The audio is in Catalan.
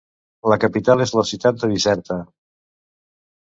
La capital és la ciutat de Bizerta.